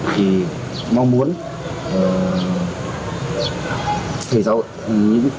thì mong muốn